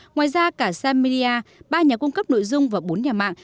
ngoài ra cả samuria ba nhà cung cấp nội dung và bốn nhà mạng